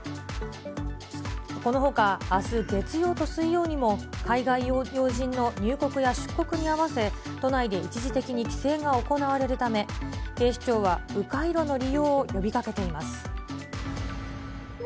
このほか、あす月曜と水曜にも海外要人の入国や出国に合わせ、都内で一時的に規制が行われるため、警視庁はう回路の利用を呼びかけています。